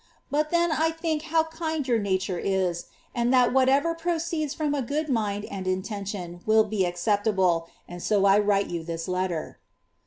Bnl, then, I think how kind jour nature is, and that whatever proceeds from a gaoil mind and inien Oon will be acceptable; and so I write you this letter.'"